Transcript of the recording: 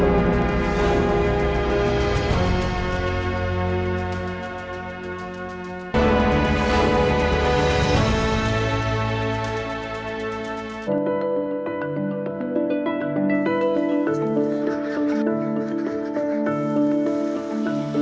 sekarang bagaimana cara kita bisa melakukan pendampingan di program desa inklusi